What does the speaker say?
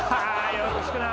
よろしくな！